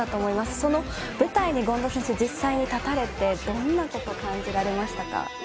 その舞台に権田選手実際に立たれてどんなことを感じられましたか。